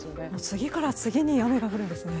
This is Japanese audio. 次から次に雨が降るんですね。